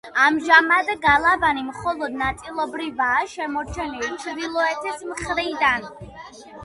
ამჟამად გალავანი მხოლოდ ნაწილობრივაა შემორჩენილი ჩრდილოეთის მხრიდან.